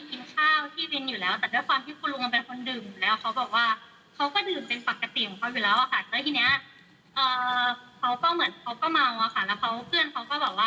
กินข้าวที่วินอยู่แล้วแต่ด้วยความที่คุณลุงมันเป็นคนดื่มแล้ว